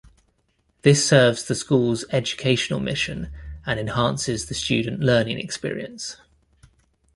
This serves the school's educational mission and enhances the student learning experience.